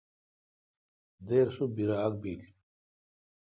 دیر سو بیراگ بل۔